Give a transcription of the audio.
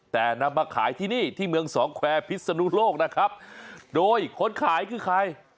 แต่นำมาขายที่นี่ที่เมืองสองแควร์พิศนุโลกนะครับโดยคนขายคือใคร